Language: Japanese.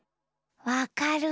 わかる！